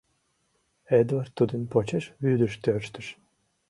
Эдвард тудын почеш вӱдыш тӧрштыш.